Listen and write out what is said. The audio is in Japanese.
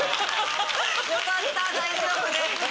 よかった大丈夫で。